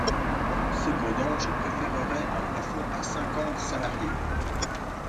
Cependant, je préférerais un plafond à cinquante salariés.